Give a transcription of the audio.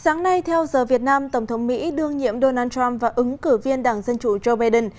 sáng nay theo giờ việt nam tổng thống mỹ đương nhiệm donald trump và ứng cử viên đảng dân chủ joe biden